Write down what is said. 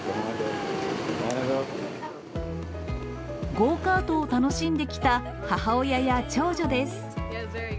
ゴーカートを楽しんできた母親や長女です。